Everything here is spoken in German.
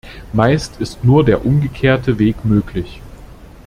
Meist ist nur der umgekehrte Weg möglich.